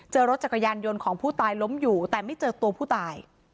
รถจักรยานยนต์ของผู้ตายล้มอยู่แต่ไม่เจอตัวผู้ตาย